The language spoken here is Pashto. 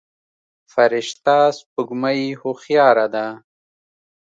فرشته سپوږمۍ هوښياره ده.